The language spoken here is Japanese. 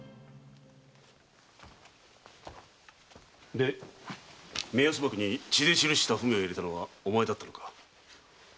で目安箱に血で記した文を入れたのはお前だったのだな。